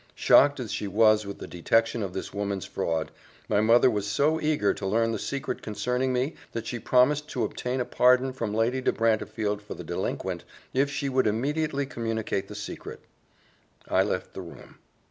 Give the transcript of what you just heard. Shocked as she was with the detection of this woman's fraud, my mother was so eager to learn the secret concerning me, that she promised to obtain a pardon from Lady de Brantefield for the delinquent, if she would immediately communicate the secret. I left the room.